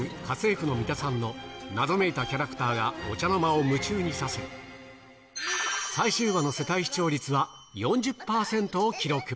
家政婦のミタさんの謎めいたキャラクターがお茶の間を夢中にさせ、最終話の世帯視聴率は、４０％を記録。